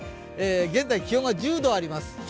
現在、気温は１０度あります。